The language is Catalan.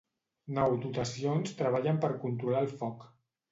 Nou dotacions treballen per controlar el foc.